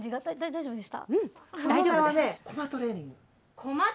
大丈夫です。